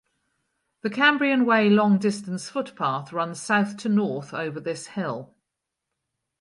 The Cambrian Way long distance footpath runs south to north over this hill.